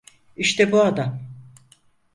İşte bu adam.